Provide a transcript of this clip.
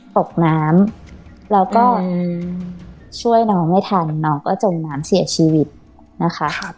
ตกน้ำแล้วก็ช่วยน้องไม่ทันน้องก็จมน้ำเสียชีวิตนะคะ